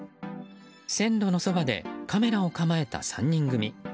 線路のそばでカメラを構えた３人組。